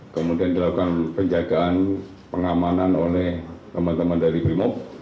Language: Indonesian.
kemudian dilakukan penjagaan pengamanan oleh teman teman dari brimob